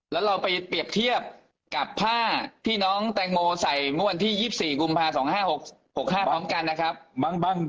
แล้วเราไปเปรียบเทียบกับผ้าที่น้องแตงโมใส่เมื่อวันที่๒๔กุมภา๒๕๖๕พร้อมกันนะครับ